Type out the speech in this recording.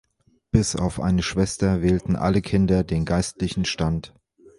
Bis auf eine Schwester wählten alle Kinder den geistlichen Stand.